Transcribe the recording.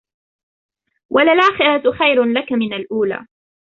وَلَلْآخِرَةُ خَيْرٌ لَكَ مِنَ الْأُولَى